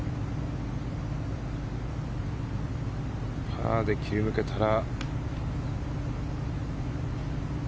パーで切り抜けたら。